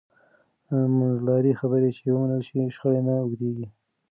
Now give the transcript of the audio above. منځلارې خبرې چې ومنل شي، شخړې نه اوږدېږي.